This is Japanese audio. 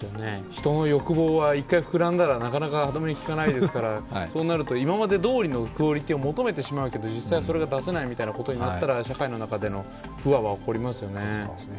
人の欲望は１回膨らんだらなかなか歯止めきかないですからそうなると、今までどおりのクオリティーを求めてしまうけど実際それが出せないみたいなことになったら社会の中での不和は起こりますよね。